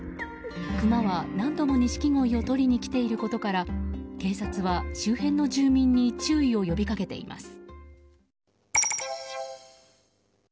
クマは何度もニシキゴイを取りに来ていることから警察は、周辺の住民に注意を呼びかけています。